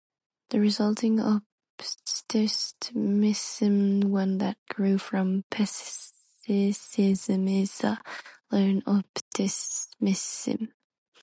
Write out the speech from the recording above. The resulting optimism-one that grew from pessimism-is a learned optimism.